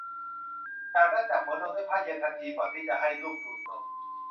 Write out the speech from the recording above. จากนั้นจับหัวนมด้วยผ้าเย็นทันทีก่อนที่จะให้ลูกดูดนม